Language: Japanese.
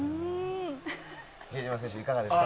比江島選手、いかがですか？